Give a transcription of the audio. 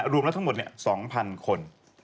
รวมแล้วทั้งหมด๒๐๐๐คน